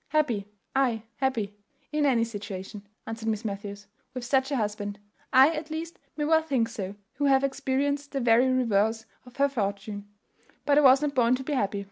"Happy, ay, happy, in any situation," answered Miss Matthews, "with such a husband. I, at least, may well think so, who have experienced the very reverse of her fortune; but I was not born to be happy.